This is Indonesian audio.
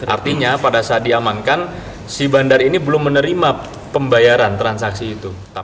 artinya pada saat diamankan si bandar ini belum menerima pembayaran transaksi itu